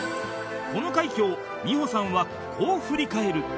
この快挙を美穂さんはこう振り返る